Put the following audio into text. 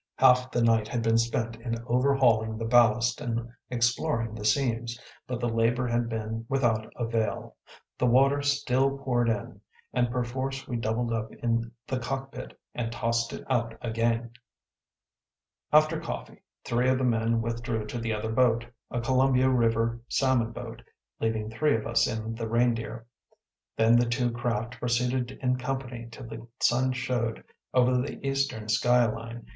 Half the night had been spent in overhauling the ballast and exploring the seams, but the labor had been without avail. The water still poured in, and perforce we doubled up in the cockpit and tossed it out again. After coffee, three of the men withdrew to the other boat, a Columbia River salmon boat, leaving three of us in the Reindeer. Then the two craft proceeded in company till the sun showed over the eastern sky line.